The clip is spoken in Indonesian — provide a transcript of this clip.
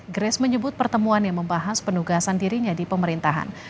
grace menyebut pertemuan yang membahas penugasan dirinya di pemerintahan